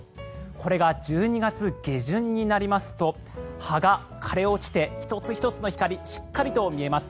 これが１２月下旬になりますと葉が枯れ落ちて１つ１つの光しっかりと見えます。